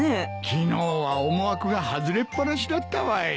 昨日は思惑が外れっぱなしだったわい。